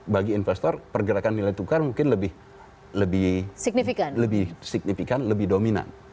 bagi investor pergerakan nilai tukar mungkin lebih signifikan lebih dominan